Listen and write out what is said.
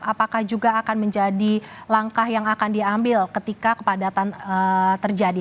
apakah juga akan menjadi langkah yang akan diambil ketika kepadatan terjadi